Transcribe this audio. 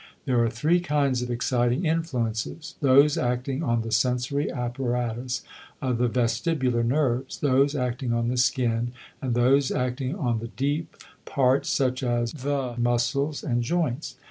There are three kinds of exciting influences: those acting on the sensory apparatus of the vestibular nerves, those acting on the skin, and those acting on the deep parts, such as the muscles and joints.